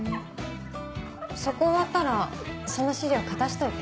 そこ終わったらその資料かたしといて。